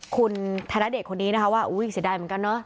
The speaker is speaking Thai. คุณธนเดชนคนนี้นะคะว่าอุ๊ยเสียดายเหมือนกันเนอะ